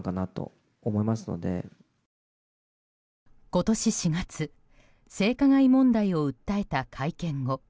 今年４月性加害問題を訴えた会見後